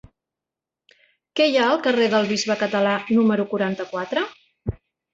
Què hi ha al carrer del Bisbe Català número quaranta-quatre?